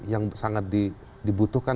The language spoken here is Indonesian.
yang sangat dibutuhkan